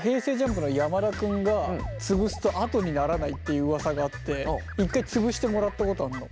ＪＵＭＰの山田君が潰すと跡にならないっていううわさがあって一回潰してもらったことあんの。